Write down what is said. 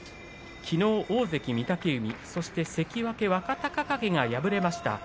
きのう大関御嶽海そして関脇若隆景が敗れました。